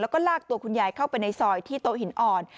แล้วก็ลากตัวคุณยายเข้าไปในซอยที่โต๊ะหินอ่อน